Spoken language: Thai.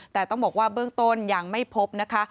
แต่ต้องบอกว่าเบื้องต้นยังไม่พบนะคะ